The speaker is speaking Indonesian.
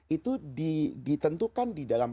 itu ditentukan di dalam